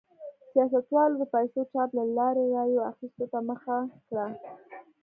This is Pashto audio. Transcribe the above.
سیاستوالو د پیسو چاپ له لارې رایو اخیستو ته مخه کړه.